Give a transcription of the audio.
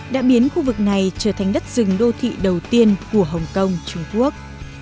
đã biến khu vực này trở thành đất rừng đô thị đầu tiên của hồng kông trung quốc